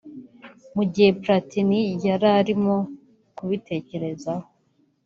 Mu gihe Platini yararimo ku bitekerezaho